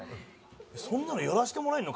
そんなのやらせてもらえるの？